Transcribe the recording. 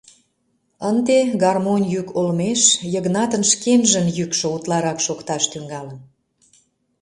Ынде гармонь йӱк олмеш Йыгнатын шкенжын йӱкшӧ утларак шокташ тӱҥалын.